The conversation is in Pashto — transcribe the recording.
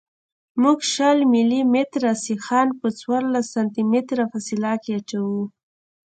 موږ شل ملي متره سیخان په څوارلس سانتي متره فاصله کې اچوو